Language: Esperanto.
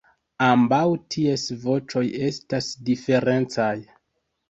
Ambaŭ ties voĉoj estas diferencaj.